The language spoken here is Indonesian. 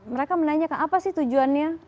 mereka menanyakan apa sih tujuannya